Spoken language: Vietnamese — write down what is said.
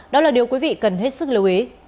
đó là điều quý vị cần hết sức lưu ý